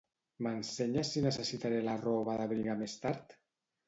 M'ensenyes si necessitaré la roba d'abrigar més tard?